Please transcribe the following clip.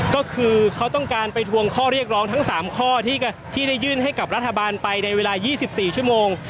ก็คือเขาต้องการไปทวงข้อเรียกร้องทั้ง๓ข้อที่ได้ยื่นให้กับรัฐบาลไปในเวลา๒๔ชั่วโมง